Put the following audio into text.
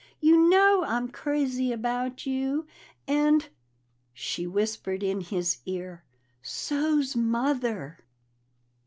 You know I'm crazy about you, and," she whispered in his ear, "so's Mother!"